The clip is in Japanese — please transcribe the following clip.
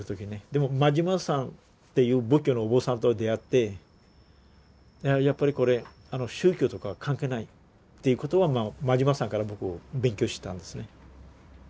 でも馬島さんっていう仏教のお坊さんと出会ってやっぱりこれ宗教とか関係ないっていうことは馬島さんから僕勉強したんですね。